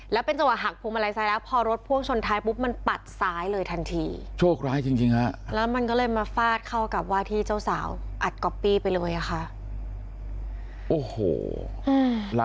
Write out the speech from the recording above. แล้วเป็นจังหวะอากฮูไซด้วยพอโรงชนชนครับปุ๊บมันไปซ้ายเลยทันทีโชคล้ายจริงหอดก๊อปปี้เอาไว้ครับ